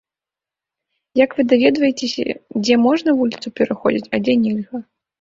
Як вы даведваецеся, дзе можна вуліцу пераходзіць, а дзе нельга?